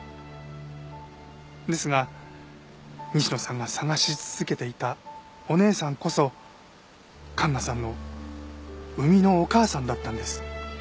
ですが西野さんが捜し続けていたお姉さんこそ環奈さんの生みのお母さんだったんです。